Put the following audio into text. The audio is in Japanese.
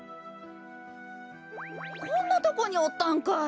こんなとこにおったんかい！